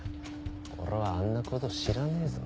俺はあんな小僧知らねえぞ。